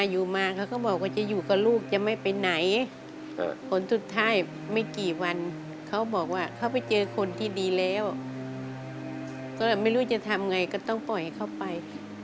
อยู่มาเขาก็บอกว่าจะอยู่กับลูกจะไม่ไปไหนผลสุดท้ายไม่กี่วันเขาบอกว่าเขาไปเจอคนที่ดีแล้วก็ไม่รู้จะทำไงก็ต้องปล่อยเขาไป